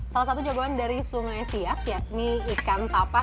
salah satu jagoan dari sungai siak yakni ikan tapah